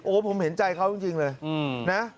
ผมเห็นใจเขาจริงเลยนะ